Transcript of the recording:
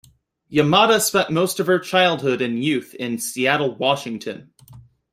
Yamada spent most of her childhood and youth in Seattle, Washington.